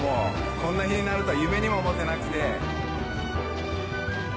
こんな日になるとは夢にも思ってなくて。